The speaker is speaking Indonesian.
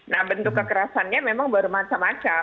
nah bentuk kekerasannya memang bermacam macam